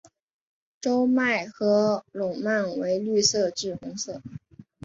中脉和笼蔓为绿色至红色。